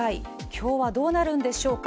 今日は、どうなるんでしょうか。